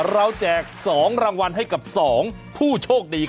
แจก๒รางวัลให้กับ๒ผู้โชคดี